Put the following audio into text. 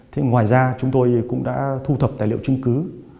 thế ngoài ra chúng tôi cũng đã thu thập tài liệu chứng cứ